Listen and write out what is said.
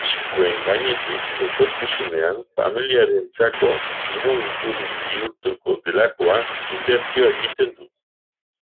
Arriskuen gainetik, etorkizunean, familiarentzako diru iturri bihurtuko delakoan inbertsioa egiten dute.